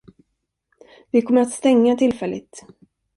Vi kommer att stänga tillfälligt.